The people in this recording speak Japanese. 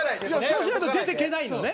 そうしないと出ていけないのね。